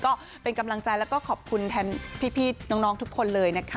ก็เป็นกำลังใจแล้วก็ขอบคุณแทนพี่น้องทุกคนเลยนะคะ